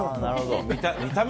見た目